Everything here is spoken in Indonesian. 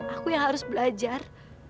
aku yang harus belajar